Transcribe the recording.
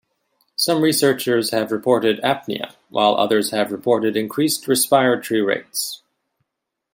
Some researchers have reported apnea, while others have reported increased respiratory rates.